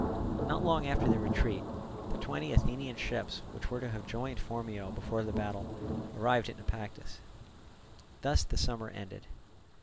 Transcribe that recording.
Not long after their retreat, the twenty Athenian ships, which were to have joined Phormio before the battle, arrived at Naupactus. Thus the summer ended.